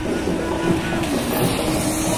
আমাকে কাঁদতে দেখতে ভালো লাগে, না?